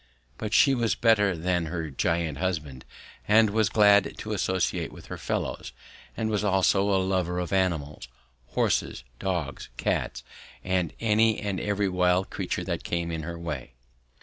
But she was better than her giant husband and was glad to associate with her fellows, and was also a lover of animals horses, dogs, cats, and any and every wild creature that came in her way.